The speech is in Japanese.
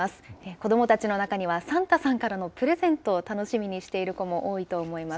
子どもたちの中には、サンタさんからのプレゼントを楽しみにしている子も多いと思います。